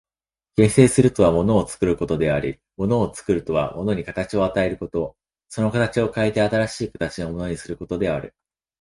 形成するとは物を作ることであり、物を作るとは物に形を与えること、その形を変えて新しい形のものにすることである。